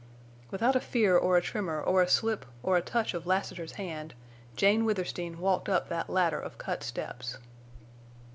_'" Without a fear or a tremor or a slip or a touch of Lassiter's hand Jane Withersteen walked up that ladder of cut steps.